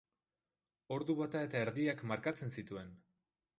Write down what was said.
Ordu bata eta erdiak markatzen zituen!